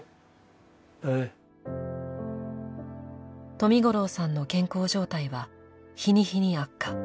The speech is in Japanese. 冨五郎さんの健康状態は日に日に悪化。